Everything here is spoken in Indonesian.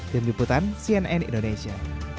demi putan cnn indonesia